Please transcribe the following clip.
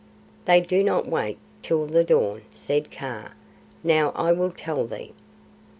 "They do not wake till the dawn," said Kaa. "Now I will tell thee.